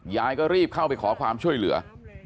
ยายก็รีบเข้าไปขอความช่วยเหลือ